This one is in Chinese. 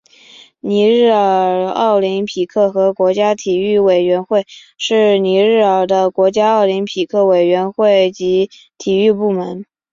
尼日尔奥林匹克和国家体育委员会是尼日尔的国家奥林匹克委员会及体育部门。